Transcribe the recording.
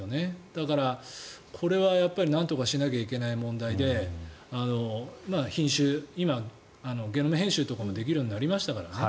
だからこれはやっぱりなんとかしなきゃいけない問題で品種、今、ゲノム編集とかもできるようになりましたからね。